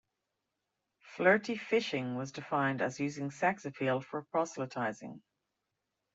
Flirty Fishing was defined as using sex appeal for proselytizing.